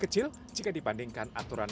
kecil jika dibandingkan aturan